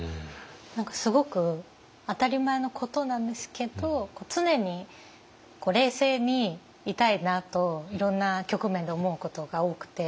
何かすごく当たり前のことなんですけど常に冷静にいたいなといろんな局面で思うことが多くて。